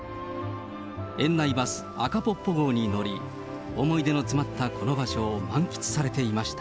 園内バス、あかぽっぽ号に乗り、思い出の詰まったこの場所を満喫されていました。